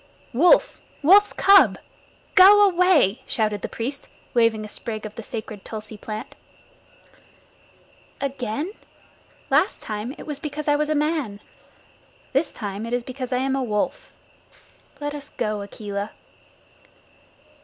"Wolf! Wolf's cub! Go away!" shouted the priest, waving a sprig of the sacred tulsi plant. "Again? Last time it was because I was a man. This time it is because I am a wolf. Let us go, Akela."